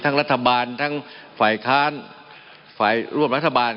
รัฐบาลทั้งฝ่ายค้านฝ่ายร่วมรัฐบาล